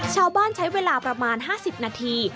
ชาวบ้านใช้เวลาประมาณ๕๐นาที